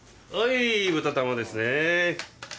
はい豚玉ですね。